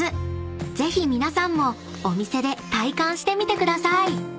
ぜひ皆さんもお店で体感してみてください］